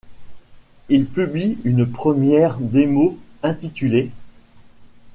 Ils publient une première démo intitulée '.